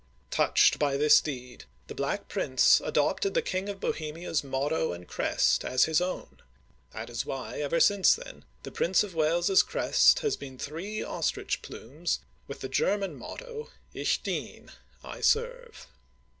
Touched by this deed, the Black Prince adopted the King of Bohemia's motto and crest as his own ; that is why, ever since then, the Prince of Wales's crest has been three ostrich plumes with the German motto {Ich dien) " I serve."